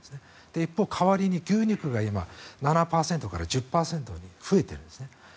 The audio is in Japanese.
一方、代わりに牛肉が今、７％から１０％に増えているんですね。